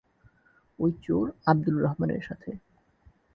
ঐ চোর, আব্দুল রহমানের সাথে।